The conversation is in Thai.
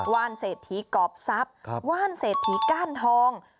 ว่านเศรษฐีกรอบทรัพย์ว่านเศรษฐีก้านทอง